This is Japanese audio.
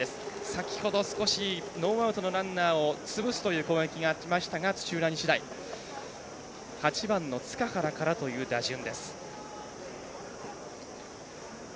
先ほど、少しノーアウトのランナーを潰すという攻撃がありました土浦日大８番の塚原からという打順です。